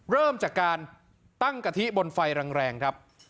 เริ่มจากการตั้งกะทิบนไฟแรงครับ